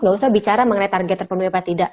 nggak usah bicara mengenai target terpenuhi apa tidak